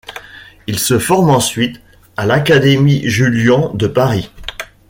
Il se forme ensuite à l'académie Julian de Paris.